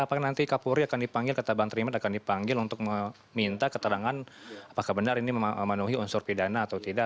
apakah nanti kapolri akan dipanggil kata bang trimat akan dipanggil untuk meminta keterangan apakah benar ini memenuhi unsur pidana atau tidak